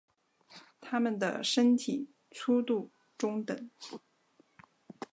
它们的身体粗度中等。